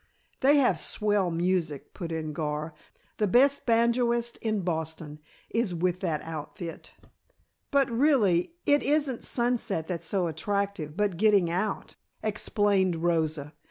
"They have swell music," put in Gar. "The best banjoist in Boston is with that outfit." "But really it isn't Sunset that's so attractive, but getting out," explained Rosa.